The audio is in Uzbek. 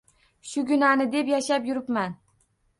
Shuginani deb yashab yuribman